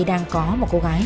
đang có một cô gái